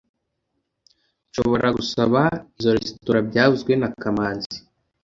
Nshobora gusaba izoi resitora byavuzwe na kamanzi